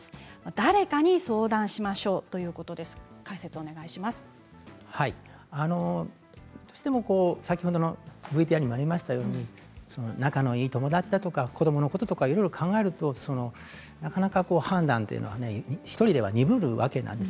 誰かに相談しましょうということどうしても先ほどのＶＴＲにもありましたように仲のいい友達だとか子どものこととかいろいろ考えるとなかなか判断というのは１人では鈍るわけなんです。